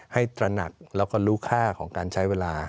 ตระหนักแล้วก็รู้ค่าของการใช้เวลา